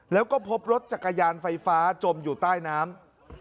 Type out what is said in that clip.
แล้วก็พบรถจักรยานไฟฟ้าจมอยู่ใต้น้ำ